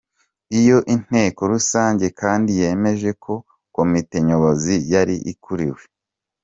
Iyo nteko rusange kandi yemeje ko komite nyobozi yari ikuriwe